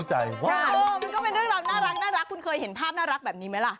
มันก็เป็นเรื่องราวน่ารักคุณเคยเห็นภาพน่ารักแบบนี้ไหมล่ะ